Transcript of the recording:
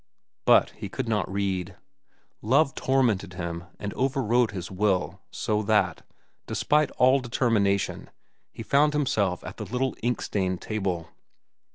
But he could not read. Love tormented him and overrode his will, so that, despite all determination, he found himself at the little ink stained table.